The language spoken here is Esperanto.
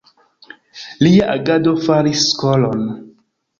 Lia agado faris skolon.